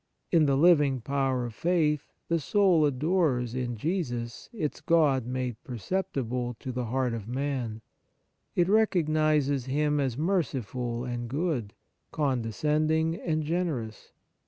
In the living power of faith, the soul adores, in Jesus, its God made perceptible to the heart of man ; it recognizes Him as merciful and good, condescending and generous.